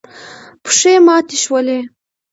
پښې ماتې شولې.